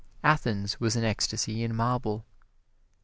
Athens was an ecstasy in marble.